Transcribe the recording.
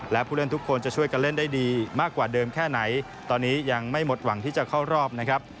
และผู้เล่นทุกคนจะช่วยกันเล่นได้ดีมากกว่าเดิมแค่ไหนตอนนี้ยังไม่หมดหวังที่จะเข้ารอบนะครับ